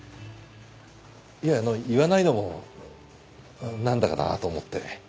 あのう言わないのも何だかなぁと思って。